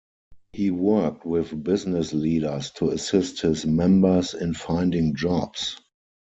He worked with business leaders to assist his members in finding jobs.